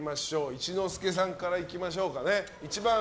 一之輔さんからいきましょうかね。